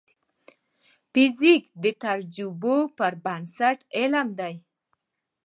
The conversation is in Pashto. فزیک د تجربو پر بنسټ علم دی.